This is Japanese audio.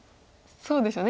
そうですよね